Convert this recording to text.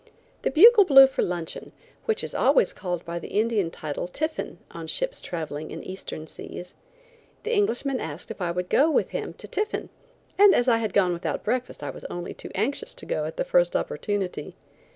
The bugle blew for luncheon, which is always called by the Indian title "tiffin" on ships traveling in Eastern seas. The Englishman asked if I would go with him to tiffin, and as I had gone without breakfast I was only too anxious to go at the first opportunity.